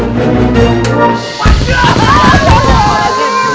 ya allah ustadz